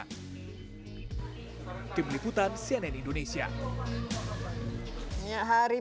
kepulih kutan cnn indonesia